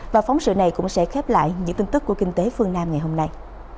và phóng sự này cũng sẽ khép lại những tin tức của kinh tế phương nam ngày hôm nay